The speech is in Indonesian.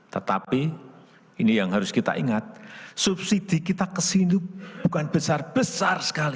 tetapi ini yang harus kita ingat subsidi kita kesini bukan besar besar sekali